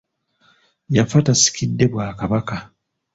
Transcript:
Yafa tasikidde Bwakabaka.